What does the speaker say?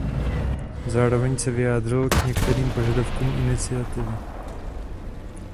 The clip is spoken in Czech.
Zároveň se vyjádřil k některým požadavkům iniciativy.